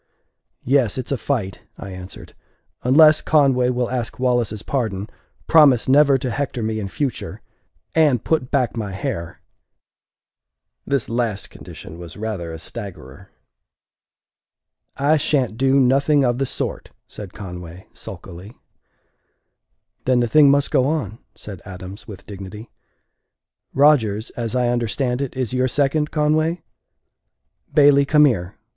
"Yes, it's a fight," I answered, "unless Conway will ask Wallace's pardon, promise never to hector me in future and put back my hair!" This last condition was rather a staggerer. "I sha'n't do nothing of the sort," said Conway, sulkily. "Then the thing must go on," said Adams, with dignity. "Rodgers, as I understand it, is your second, Conway? Bailey, come here.